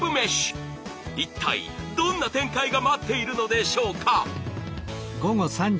一体どんな展開が待っているのでしょうか？